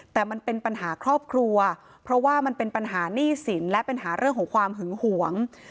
แต่มันเป็นปัญหาครอบครัวเพราะว่ามันเป็นปัญหาหนี้สินและปัญหาเรื่องของความหึงหวง